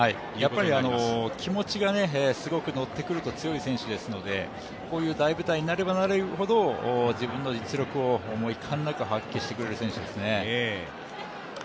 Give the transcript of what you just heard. やっぱり気持ちがすごくのってくると強い選手ですのでこういう大舞台になればなるほど自分の実力を遺憾なく発揮してくれる選手ですね。